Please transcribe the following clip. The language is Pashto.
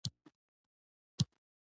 وخت د الله تعالي مخلوق دی.